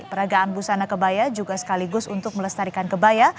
peragaan busana kebaya juga sekaligus untuk melestarikan kebaya